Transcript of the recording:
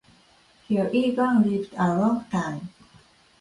Here Egan lived a long time.